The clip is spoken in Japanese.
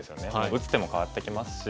打つ手も変わってきますし。